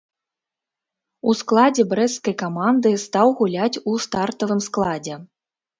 У складзе брэсцкай каманды стаў гуляць у стартавым складзе.